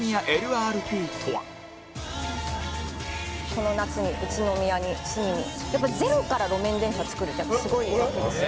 「この夏に宇都宮についに」「やっぱゼロから路面電車を造るってやっぱすごいわけですよ。